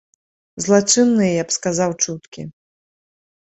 Злачынныя, я б сказаў, чуткі.